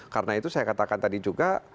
karena itu saya katakan tadi juga